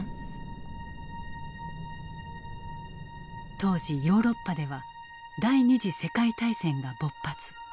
当時ヨーロッパでは第二次世界大戦が勃発。